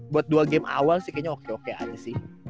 buat dua game awal sih kayaknya oke oke aja sih